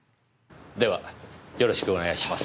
ではよろしくお願いします。